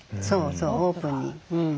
そうそうオープンに。